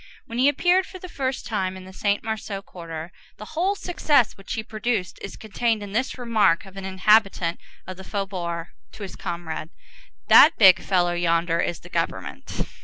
When he appeared for the first time in the Saint Marceau quarter, the whole success which he produced is contained in this remark of an inhabitant of the faubourg to his comrade, "That big fellow yonder is the government."